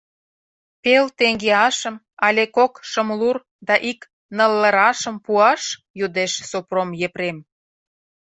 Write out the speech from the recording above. — Пел теҥгеашым але кок шымлур да ик ныллырашым пуаш? — йодеш Сопром Епрем.